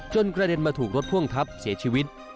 กระเด็นมาถูกรถพ่วงทับเสียชีวิต